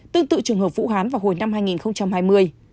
tương tự trường hợp vũ hán vào hồi năm hai nghìn hai mươi